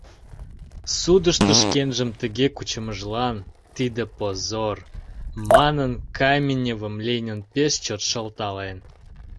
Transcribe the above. Судышто шкенжым тыге кучымыжлан, «тиде — позор!» манын, Каменевым Ленин пеш чот шылтален.